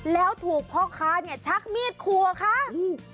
แล้วถูกพ่อค้าเนี่ยชักมีดครัวค่ะอืม